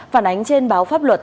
phản ánh trên báo pháp luật